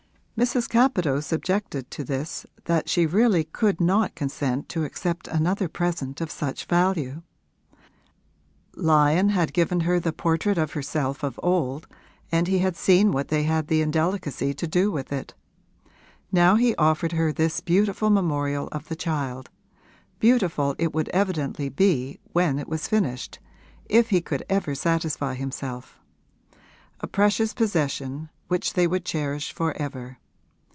Mrs. Capadose objected to this that she really could not consent to accept another present of such value. Lyon had given her the portrait of herself of old, and he had seen what they had had the indelicacy to do with it. Now he had offered her this beautiful memorial of the child beautiful it would evidently be when it was finished, if he could ever satisfy himself; a precious possession which they would cherish for ever.